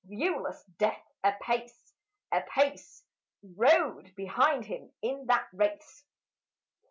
(Viewless Death apace, apace, Rode behind him in that race.)